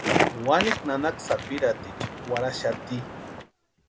Wanikwa nanaka sapirhaticha warhaxati.